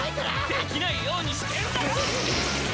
できないようにしてんだよ！